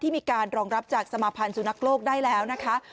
มีการรองรับจากสมาพันธ์สุนัขโลกได้แล้วนะคะ